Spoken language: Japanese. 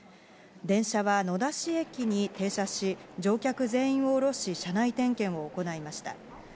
電車は野田市駅に停車し、乗客全員をおろし、車内点検を行いました。